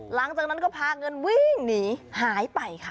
หลังจากนั้นก็พาเงินวิ่งหนีหายไปค่ะ